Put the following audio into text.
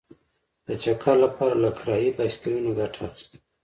د چکر لپاره له کرايي بایسکلونو ګټه اخیسته.